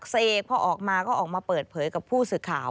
เสกพอออกมาก็ออกมาเปิดเผยกับผู้สื่อข่าว